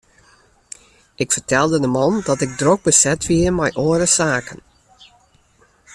Ik fertelde de man dat ik drok beset wie mei oare saken.